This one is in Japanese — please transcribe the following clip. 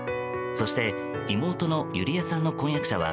そして妹のゆりえさんの婚約者は